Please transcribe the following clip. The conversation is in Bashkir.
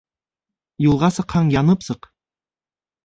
Юлға сыҡһаң, янып сыҡ